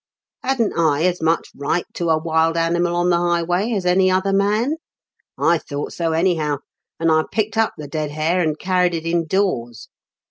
Hadn't I as much right to a wild animal on the highway as any other man? I thought so, anyhow ; and I picked up the dead hare and carried it indoors.